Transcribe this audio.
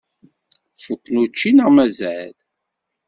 Fukken učči neɣ mazal?